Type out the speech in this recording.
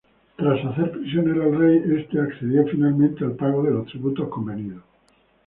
Tras hacer prisionero al rey, este accedió finalmente al pago de los tributos convenidos.